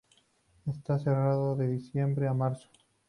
Está cerrado de diciembre a marzo.